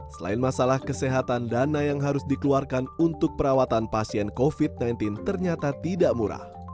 selain masalah kesehatan dana yang harus dikeluarkan untuk perawatan pasien covid sembilan belas ternyata tidak murah